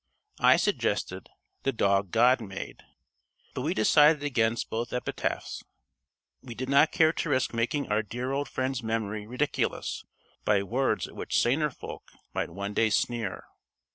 I suggested: "The Dog God Made." But we decided against both epitaphs. We did not care to risk making our dear old friend's memory ridiculous by words at which saner folk might one day sneer.